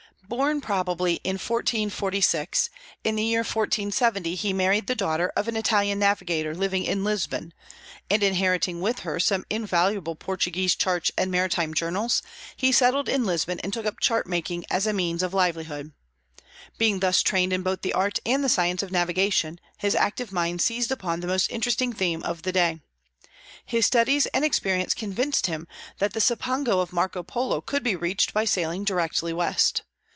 Born probably in 1446, in the year 1470 he married the daughter of an Italian navigator living in Lisbon; and, inheriting with her some valuable Portuguese charts and maritime journals, he settled in Lisbon and took up chart making as a means of livelihood. Being thus trained in both the art and the science of navigation, his active mind seized upon the most interesting theme of the day. His studies and experience convinced him that the Cipango of Marco Polo could be reached by sailing directly west.